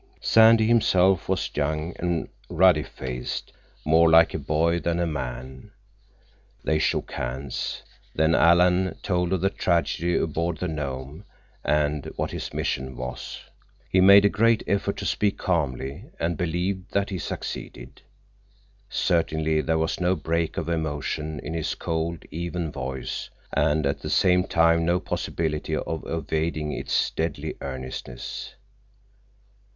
Sandy himself was young and ruddy faced, more like a boy than a man. They shook hands. Then Alan told of the tragedy aboard the Nome and what his mission was. He made a great effort to speak calmly, and believed that he succeeded. Certainly there was no break of emotion in his cold, even voice, and at the same time no possibility of evading its deadly earnestness.